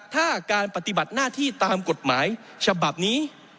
ถ้าการปฏิบัติหน้าที่ตามกฎหมายฉบับนี้